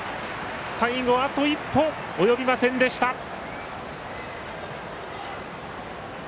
最後はあと一歩およびませんでした。